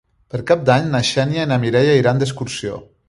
Per Cap d'Any na Xènia i na Mireia iran d'excursió.